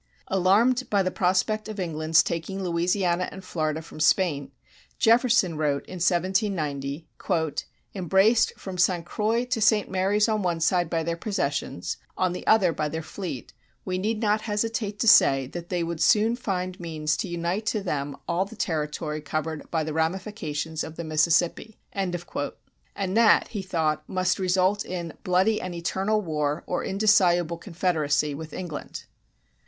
Alarmed by the prospect of England's taking Louisiana and Florida from Spain, Jefferson wrote in 1790: "Embraced from St. Croix to St. Mary's on one side by their possessions, on the other by their fleet, we need not hesitate to say that they would soon find means to unite to them all the territory covered by the ramifications of the Mississippi." And that, he thought, must result in "bloody and eternal war or indissoluble confederacy" with England.